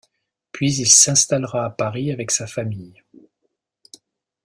Puis il s'installera à Paris avec sa famille.